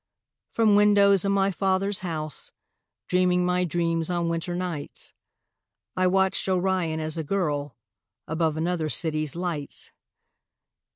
From windows in my father's house, Dreaming my dreams on winter nights, I watched Orion as a girl Above another city's lights.